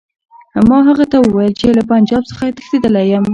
ما هغه ته وویل چې له پنجاب څخه تښتېدلی یم.